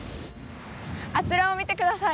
あちらを見てください。